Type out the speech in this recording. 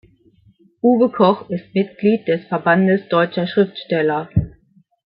Uwe Koch ist Mitglied des Verbandes Deutscher Schriftsteller.